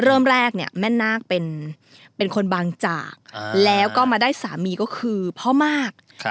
เริ่มแรกเนี่ยแม่นาคเป็นคนบางจากแล้วก็มาได้สามีก็คือพ่อมาก